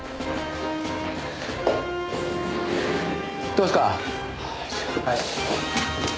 どうですか？